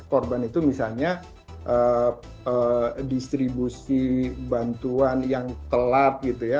korban itu misalnya distribusi bantuan yang telat gitu ya